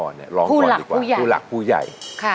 ร้องก่อนดีกว่าผู้หลักผู้ใหญ่ค่ะสาวพี่ป้อนชัยผู้หลักผู้ใหญ่